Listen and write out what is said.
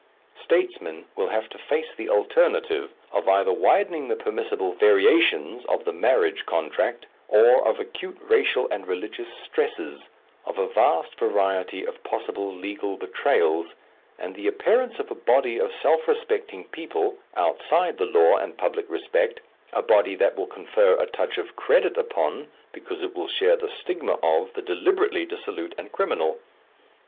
Statesmen will have to face the alternative of either widening the permissible variations of the marriage contract, or of acute racial and religious stresses, of a vast variety of possible legal betrayals, and the appearance of a body of self respecting people, outside the law and public respect, a body that will confer a touch of credit upon, because it will share the stigma of, the deliberately dissolute and criminal.